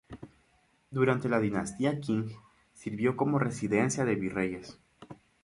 Durante la dinastía Qing, sirvió como residencia de virreyes.